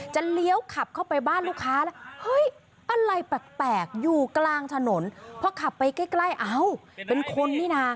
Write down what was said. เลี้ยวขับเข้าไปบ้านลูกค้าแล้วเฮ้ยอะไรแปลกอยู่กลางถนนพอขับไปใกล้เอ้าเป็นคนนี่นะ